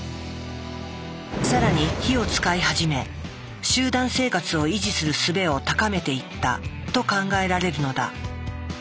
さらに火を使い始め集団生活を維持するすべを高めていったと考えられるのだ。